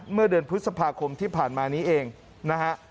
เมื่อเดือนพฤษภาคมที่ผ่านมานี้เองนะฮะ